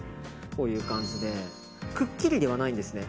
こういう感じでくっきりではないんですね。